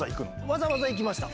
わざわざ行きました。